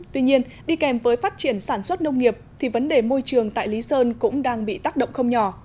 tuy nhiên đi kèm với phát triển sản xuất nông nghiệp thì vấn đề môi trường tại lý sơn cũng đang bị tác động không nhỏ